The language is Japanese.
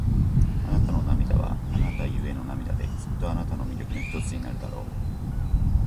あなたの涙は、あなたゆえの涙で、きっとあなたの魅力の一つになるだろう。